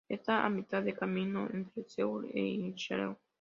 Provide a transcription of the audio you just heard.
Esta a mitad de camino entre Seúl e Incheon.